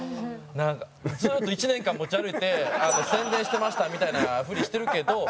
ずっと１年間持ち歩いて宣伝してましたみたいなふりしてるけど。